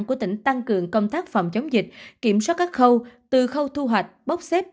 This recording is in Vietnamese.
của tỉnh tăng cường công tác phòng chống dịch kiểm soát các khâu từ khâu thu hoạch bốc xếp